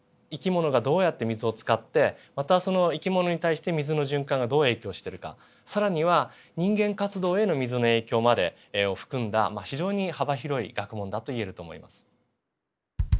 生き物がどうやって水を使ってまたその生き物に対して水の循環がどう影響してるか更には人間活動への水の影響までを含んだ非常に幅広い学問だと言えると思います。